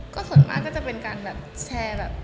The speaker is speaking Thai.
ก็ส่วนมากก็จะเป็นการแบบแชร์แบบ